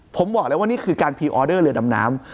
ผมบอกเลยว่านี่คือการพรีออเดอร์เรือดำน้ำ